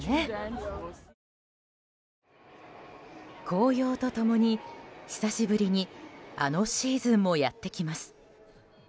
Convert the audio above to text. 紅葉と共に久しぶりにあのシーズンもやってきます。